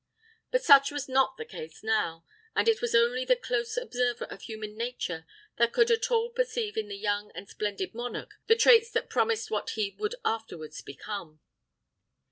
But such was not the case now, and it was only the close observer of human nature that could at all perceive in the young and splendid monarch the traits that promised what he would afterwards become.